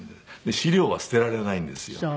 資料は捨てられないんですよ。